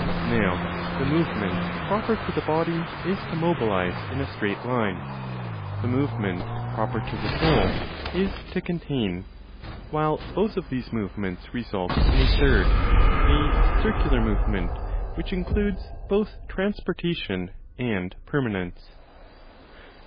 Now the movement proper to the body is to mobilize in a straight line; the movement proper to the Soul, is to contain; while both of these movements result in a third, the circular movement which includes both transportation and permanence.